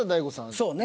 そうね。